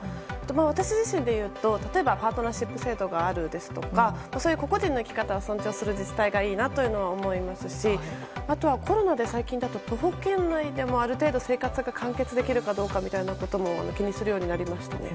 私自身でいうとパートナーシップ制度があるとかそういう個々人の生き方を尊重する自治体がいいなというは思いますしあとはコロナで最近だと徒歩圏内でもある程度生活が完結できるかどうかも気にするようになりました。